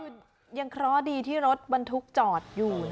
คือยังเคราะห์ดีที่รถบรรทุกจอดอยู่